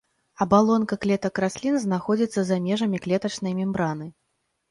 Абалонка клетак раслін знаходзіцца за межамі клетачнай мембраны.